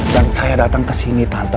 dan saya datang kesini tante